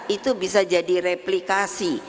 itu bisa jadi replikasi